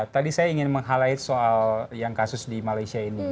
tadi saya ingin menghalai soal yang kasus di malaysia ini